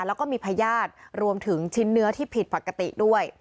แล้วก็มีพญาติรวมถึงชิ้นเนื้อที่ผิดปกติด้วย